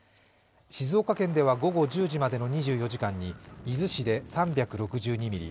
静岡県では午後１０時までの２４時間に伊豆市で３６２ミリ